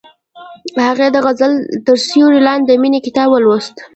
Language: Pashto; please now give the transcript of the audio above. هغې د غزل تر سیوري لاندې د مینې کتاب ولوست.